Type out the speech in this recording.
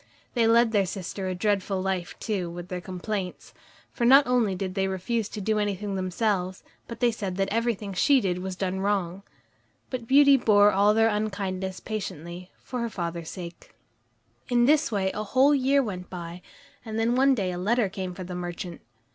They led their sister a dreadful life too, with their complaints, for not only did they refuse to do anything themselves, but they said that everything she did was done wrong. But Beauty bore all their unkindness patiently, for her father's sake. In this way a whole year went by, and then one day a letter came for the merchant.